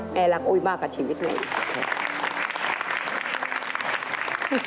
แม่รักอุ้ยมากกว่าชีวิตหนู